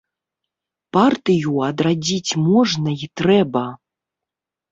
Партыю адрадзіць можна і трэба.